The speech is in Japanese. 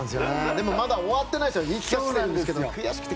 でもまだ終わってない。